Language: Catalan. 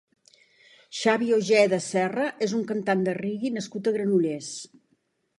Xavi Ojeda Serra és un cantant de reggae nascut a Granollers.